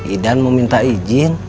idan mau minta izin